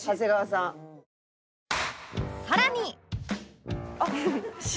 さらに